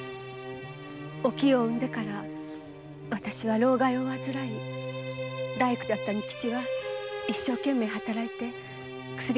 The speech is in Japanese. お清を生んでから私は労咳を患い大工だった仁吉は一所懸命働いて薬代を稼いでくれました。